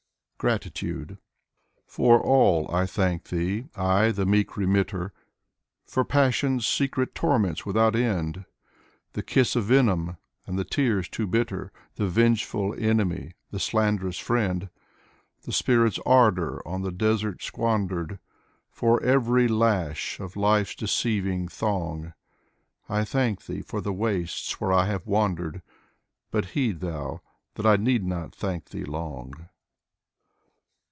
20 Mikhail Lermontov GRATITUDE y,' For all, I thank Thee, I, the meek remitter: For passion's secret torments without end, The kiss of venom, and the tears too bitter. The vengeful enemy, the slanderous friend. The spirit's ardor on the desert squandered. For every lash of life's deceiving thong; I thank Thee for the wastes where I have wandered : But heed Thou, that I need not thank Thee long.